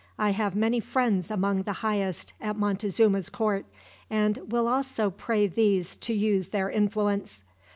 I have many friends among the highest at Montezuma's court, and will also pray these to use their influence.